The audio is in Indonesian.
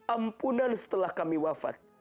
ampunan setelah kami wafat